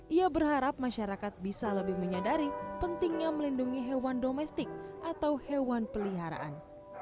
ia berharap masyarakat bisa lebih menyadari pentingnya melindungi hewan domestik atau hewan peliharaan